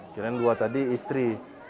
kira kira dua tadi istri